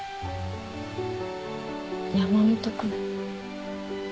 山本君。